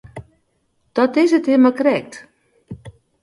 Dat is it him mar krekt.